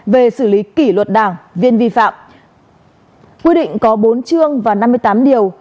về xử lý kỷ luật đảng viên vi phạm quy định có bốn chương và năm mươi tám điều